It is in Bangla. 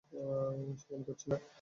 শরম করছে না?